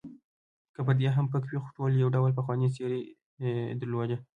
که پردي هم پکې وې، خو ټولو یو ډول پخوانۍ څېرې درلودې.